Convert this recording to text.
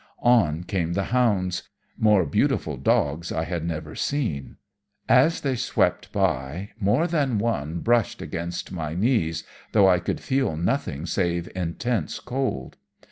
On came the hounds more beautiful dogs I had never seen; as they swept by, more than one brushed against my knees, though I could feel nothing save intense cold.